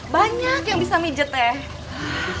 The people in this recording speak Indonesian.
banyak yang bisa mijet ya